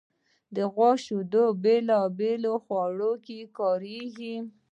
د غوا شیدې په بېلابېلو خوړو کې کارېږي.